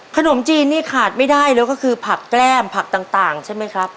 ขนมจีนนี่ขาดไม่ได้แล้วก็คือผักแก้มผักต่างใช่ไหมครับ